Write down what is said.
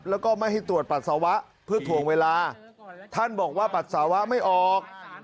แล้วก็ไม่ให้ตรวจปัสสาวะเพื่อถ่วงเวลาท่านบอกว่าปัสสาวะไม่ออก